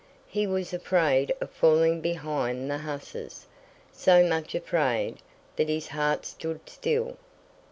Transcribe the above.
He was afraid of falling behind the hussars, so much afraid that his heart stood still.